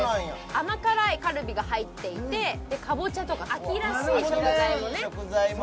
甘辛いカルビが入っていてかぼちゃとか秋らしい食材をねなるほどね